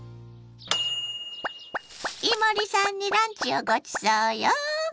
伊守さんにランチをごちそうよ。